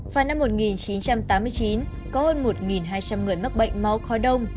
vào năm một nghìn chín trăm tám mươi chín có hơn một hai trăm linh người mắc bệnh máu khói đông